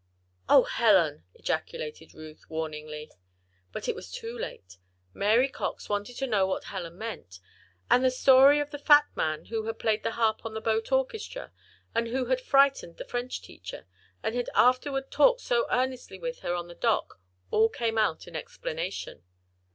"Oh, Helen!" ejaculated Ruth, warningly. But it was too late, Mary Cox wanted to know what Helen meant, and the story of the fat man who had played the harp in the boat orchestra, and who had frightened the French teacher, and had afterward talked so earnestly with her on the dock, all came out in explanation.